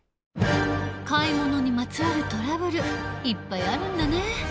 買い物にまつわるトラブルいっぱいあるんだね。